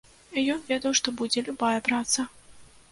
Ён ведаў, што будзе любая праца.